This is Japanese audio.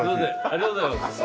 ありがとうございます。